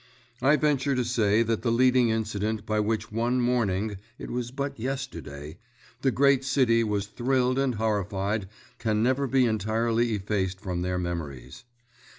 I venture to say that the leading incident by which one morning it was but yesterday the great city was thrilled and horrified can never be entirely effaced from their memories.